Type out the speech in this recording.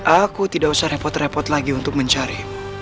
aku tidak usah repot repot lagi untuk mencarimu